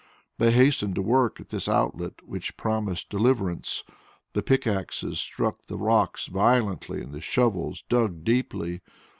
They hastened to work at this outlet which promised deliverance. The pickaxes struck the rocks violently, and the shovels dug deeply.